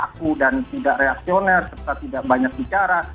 yang takut dan tidak reaksioner serta tidak banyak bicara